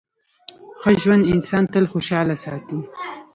ښه ژوند انسان تل خوشحاله ساتي.